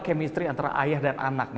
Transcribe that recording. kemistri antara ayah dan anak